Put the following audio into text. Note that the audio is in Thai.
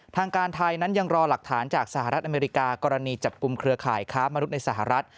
ทางการไทยนั้นยังรอหลักฐานจากสหรัฐอเมริกากรณีจับกลุ่มเครือข่ายค้ามนุษย์ในสหรัฐ